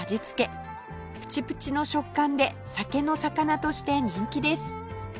プチプチの食感で酒の肴として人気です